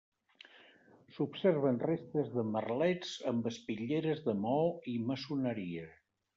S'observen restes de merlets amb espitlleres de maó i maçoneria.